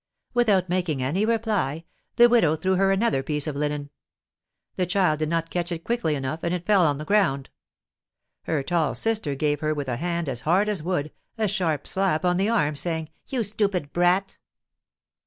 Without making any reply, the widow threw her another piece of linen. The child did not catch it quickly enough, and it fell on the ground. Her tall sister gave her, with her hand as hard as wood, a sharp slap on the arm, saying: "You stupid brat!"